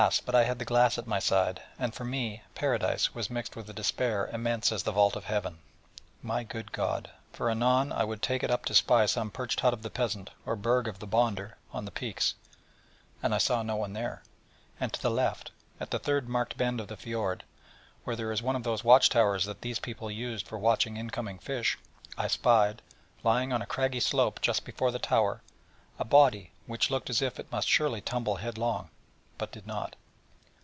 but I had the glass at my side, and for me nepenthe was mixed with a despair immense as the vault of heaven, my good God: for anon I would take it up to spy some perched hut of the peasant, or burg of the 'bonder,' on the peaks: and I saw no one there; and to the left, at the third marked bend of the fjord, where there is one of those watch towers that these people used for watching in coming fish, I spied, lying on a craggy slope just before the tower, a body which looked as if it must surely tumble head long, but did not.